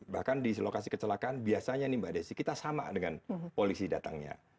bahkan di lokasi kecelakaan biasanya nih mbak desi kita sama dengan polisi datangnya